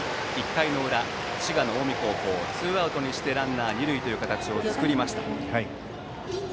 １回の裏、滋賀の近江高校ツーアウトにしてランナー、二塁という形を作りました。